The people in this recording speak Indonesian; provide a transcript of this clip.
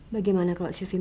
bagaimana kalau silvi merasa